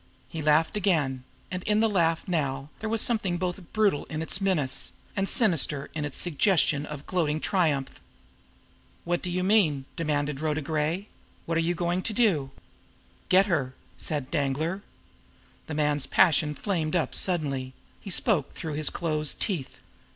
He laughed again and in the laugh now there was something both brutal in its menace, and sinister in its suggestion of gloating triumph. "What do you mean?" demanded Rhoda Gray quickly. "What are you going to do?" "Get her!" said Danglar. The man's passion flamed up suddenly; he spoke through his closed teeth.